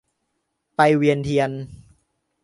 ไปเวียนเทียน